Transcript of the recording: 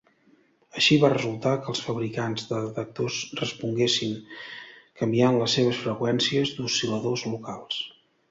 Així va resultar que els fabricants de detectors responguessin canviant les seves freqüències d'oscil·lador locals.